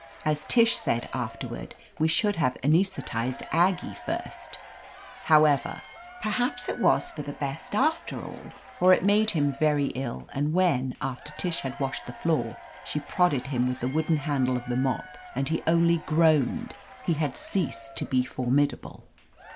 As Tish said afterward, we shotdd have anaes thetized Aggie first However, perhaps it was for the best, after all, for it made him very ill, and when, after Tish had washed the floor, she prodded him with the wooden handle of the mop and he only groaned, he had ceased to be formidable.